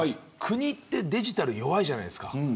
国はデジタル弱いじゃないですか。